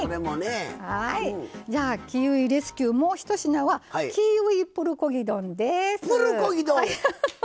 じゃあ、キウイレスキューもうひと品はキウイプルコギ丼です。